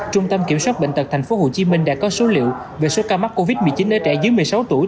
trung tâm kiểm soát bệnh tật tp hcm đã có số liệu về số ca mắc covid một mươi chín ở trẻ dưới một mươi sáu tuổi